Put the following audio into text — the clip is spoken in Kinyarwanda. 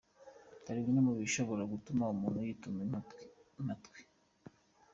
Dore bimwe mu bishobora gutuma umuntu yituma impatwe.